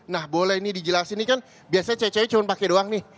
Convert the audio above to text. nah boleh ini dijelasin ini kan biasanya cewe cewe cuman pakai doang nih